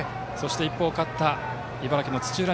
一方勝った茨城・土浦